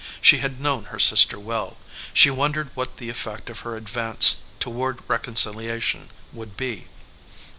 She had known her sister well. She wondered what the effect of her advance toward reconciliation would be.